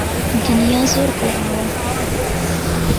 دنیا زۆر گۆڕاوە.